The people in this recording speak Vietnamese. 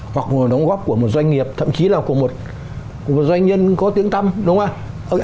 hoặc đóng góp của một doanh nghiệp thậm chí là của một doanh nhân có tiếng tâm đúng không ạ